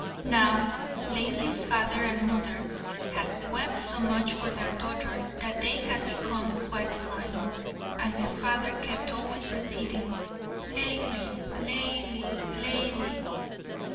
Now Laili's father and mother had wept so much for their daughter that they had become quite blind, and her father kept always repeating, "Laili, Laili, Laili."